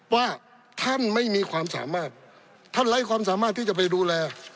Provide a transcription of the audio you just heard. ว่าท่านไม่มีความสามารถท่านไร้ความสามารถที่จะไปดูแล